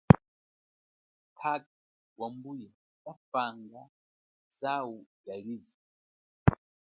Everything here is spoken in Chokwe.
Khakha, wa mbuya kafanga zau lialize.